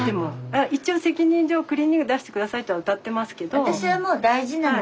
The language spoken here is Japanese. あ一応責任上クリーニング出して下さいとはうたってますけど。